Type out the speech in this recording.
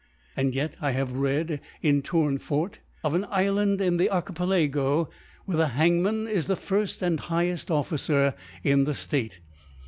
And yet I have . read in Tour^ neforty of an Iflond in the Archipelago^ where the Hangman is the firft and highell OfHcei^ in the Sute.